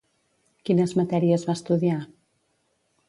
Quines matèries va estudiar?